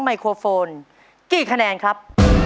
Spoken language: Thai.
สามสิบ